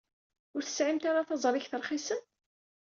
Ur tesɛimt ara taẓrigt rxisen?